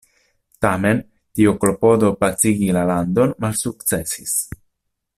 Tamen tiu klopodo pacigi la landon malsukcesis.